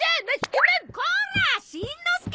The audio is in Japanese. コラしんのすけ！